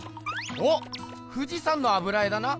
おっ富士山の油絵だな。